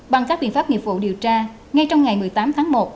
bằng các biện pháp nghiệp vụ điều tra ngay trong ngày một mươi tám tháng một